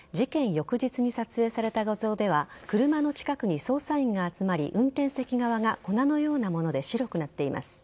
翌日に撮影された画像では車の近くに捜査員が集まり運転席側が粉のようなもので白くなっています。